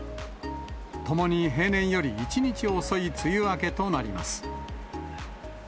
ともに平年より１日遅い梅雨明けとなります。